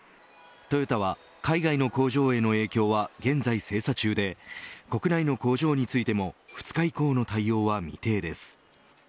トヨタは海外の工場への影響は現在精査中で国内の工場についても２日以降の対応は未定です。